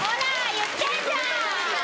言ってるんだ！